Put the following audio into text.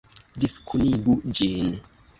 Diskunigu ĝin!